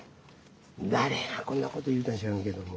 誰がこんなこと言うたか知らんけども。